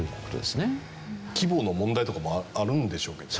規模の問題とかもあるんでしょうけどね。